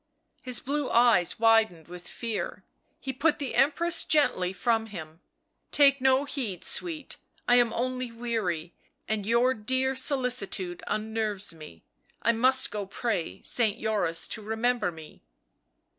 His blue eyes widened with fear, he put the Empress gently from him. " Take no heed, sweet, I am only weary and your dear solicitude unnerves me — I must go pray Saint Joris to remember me."